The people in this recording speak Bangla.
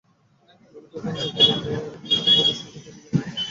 ললিতা তাহাকে কহিল, বিনয়বাবুর সঙ্গে তোর বুঝি ঝগড়া হয়ে গেছে?